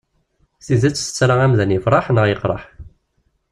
Tidet tettarra amdan yefreḥ neɣ yeqreḥ.